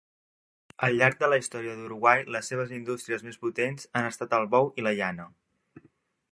Al llarg de la història d'Uruguai, les seves indústries més potents han estat el bou i la llana.